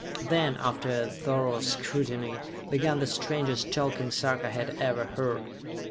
Then, after a thorough scrutiny, began the strangest talking Sarka had ever heard.